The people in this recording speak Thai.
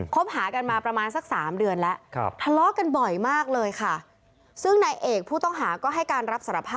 คบหากันมาประมาณสัก๓เดือนแล้วพ